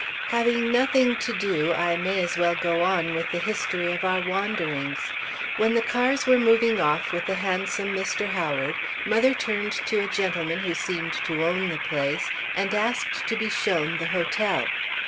Having nothing to do, I may as well go on with the history of our wanderings. When the cars were moving off with the handsome Mr. Howard, mother turned to a gentleman who seemed to own the place, and asked to be shown the hotel.